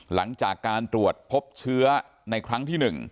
หลังจากการตรวจพบเชื้อในครั้งที่๑